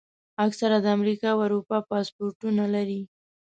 اکثره د امریکا او اروپا پاسپورټونه لري.